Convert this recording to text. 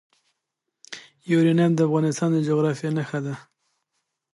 یورانیم د افغانستان د جغرافیې بېلګه ده.